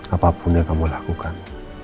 apapun yang kamu lakukan